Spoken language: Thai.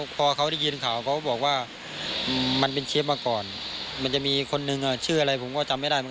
ถ้าเค้าได้ยินข่าววันนี้ก็ไม่ใช่ใช่ขนาดนี้